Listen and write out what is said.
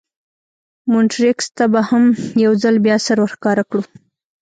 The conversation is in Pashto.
مونټریکس ته به هم یو ځل بیا سر ور ښکاره کړو.